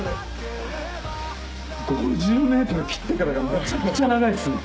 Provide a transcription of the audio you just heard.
５０ｍ切ってからがめちゃめちゃ長いですね。